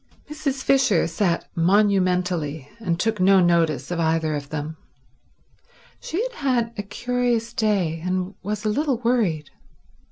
Mrs. Fisher sat monumentally, and took no notice of either of them. She had had a curious day, and was a little worried.